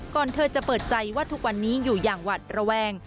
เธอจะเปิดใจว่าทุกวันนี้อยู่อย่างหวัดระแวง